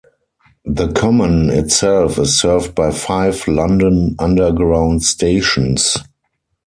The common itself is served by five London Underground stations.